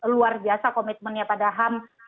luar biasa komitmennya pada ham